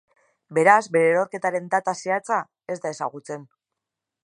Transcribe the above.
Beraz, bere erorketaren data zehatza, ez da ezagutzen.